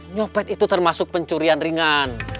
nyopet itu termasuk pencurian ringan